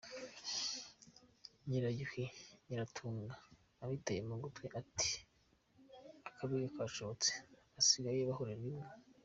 Nyirayuhi Nyiratunga, abitaye mu gutwi ati ak’abega kashobotse, basigaye bahorerwa imbwa!